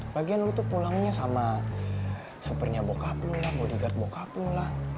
lagian lo tuh pulangnya sama supirnya bokap lo lah bodyguard bokap lo lah